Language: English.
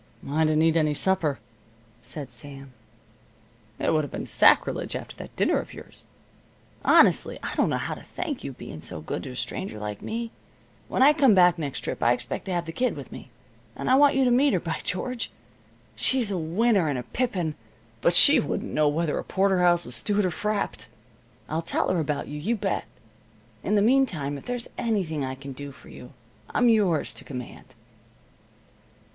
"I didn't eat any supper," said Sam. "It would have been sacrilege, after that dinner of yours. Honestly, I don't know how to thank you, being so good to a stranger like me. When I come back next trip, I expect to have the Kid with me, and I want her to meet you, by George! She's a winner and a pippin, but she wouldn't know whether a porterhouse was stewed or frapped. I'll tell her about you, you bet. In the meantime, if there's anything I can do for you, I'm yours to command."